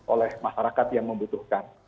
oleh masyarakat yang membutuhkan